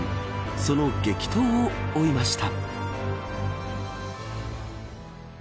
その激闘を追いました。